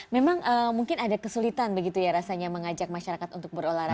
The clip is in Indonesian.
memang mungkin ada kesulitan begitu ya rasanya mengajak masyarakat untuk berolahraga